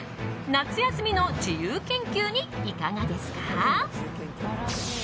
夏休みの自由研究にいかがですか？